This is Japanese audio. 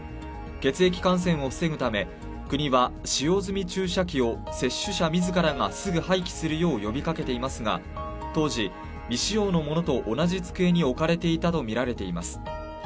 血液感染を防ぐため国は使用済み注射器を接種者自らがすぐ廃棄するよう呼びかけていますが当時、未使用のものと同じ机に置かれていたとみられています。